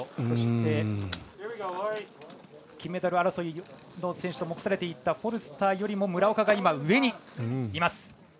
そして、金メダル争いの選手と目されていたフォルスターよりも村岡が上にいます。